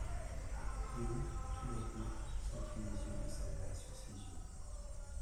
Guillaume, tout d'un coup, sentit les yeux de Salvat sur ses yeux.